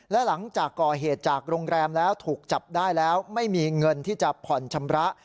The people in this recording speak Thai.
และหลังจากก่อเหตุจากโรงแรมแล้วถูกจับได้แล้วไม่มีเงินที่จะผ่อนชำระ